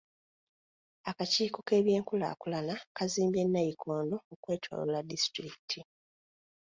Akakiiko k'eby'enkulaakulana kazimbye nnayikondo okwetooloola disitulikiti .